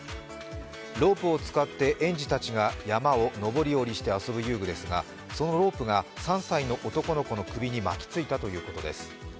ロープを使って園児たちが山を登り降りして遊ぶ遊具ですがそのロープが３歳の男の子の首に巻きついたということです。